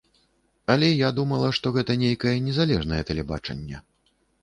Але я думала, што гэта нейкае незалежнае тэлебачанне.